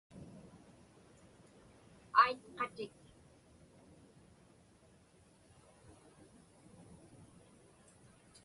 aitqatik